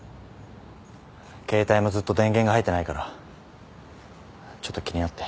携帯もずっと電源が入ってないからちょっと気になって。